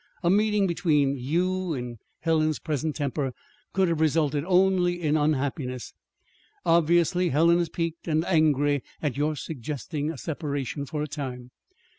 A meeting between you, in Helen's present temper, could have resulted only in unhappiness. Obviously Helen is piqued and angry at your suggesting a separation for a time.